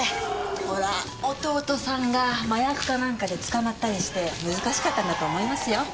ほら弟さんが麻薬かなんかで捕まったりして難しかったんだと思いますよ。